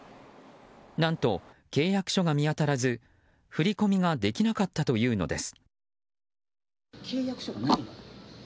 何と、契約書が見当たらず振り込みができなかったというのです。